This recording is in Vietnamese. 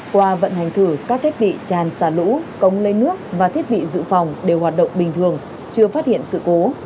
qua vận hành thử các thiết bị tràn xả lũ cống lấy nước và thiết bị dự phòng đều hoạt động bình thường chưa phát hiện sự cố